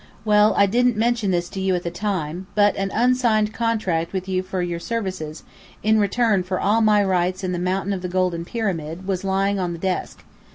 Well, I didn't mention this to you at the time, but an unsigned contract with you for your services, in return for all my rights in the Mountain of the Golden Pyramid, was lying on the desk.